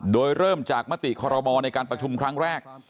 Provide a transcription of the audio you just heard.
โดยเริ่มจากมติคอรมอลในการประชุมครั้งแรก